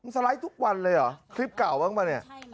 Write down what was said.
สไลด์ทุกวันเลยเหรอคลิปเก่าบ้างป่ะเนี่ย